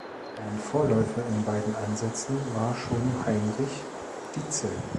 Ein Vorläufer in beiden Ansätzen war schon Heinrich Dietzel.